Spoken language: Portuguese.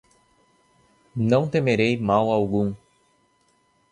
não temerei mal algum.